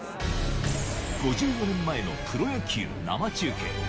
５４年前のプロ野球生中継。